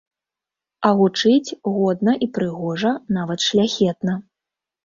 А гучыць годна і прыгожа, нават шляхетна!